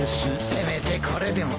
せめてこれでも。